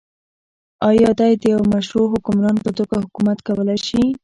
آیا دی د يوه مشروع حکمران په توګه حکومت کولای شي؟